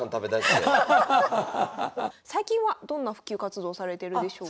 最近はどんな普及活動されてるんでしょうか？